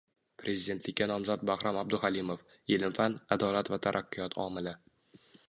Prezidentlikka nomzod Bahrom Abduhalimov: “Ilm-fan – adolat va taraqqiyot omili”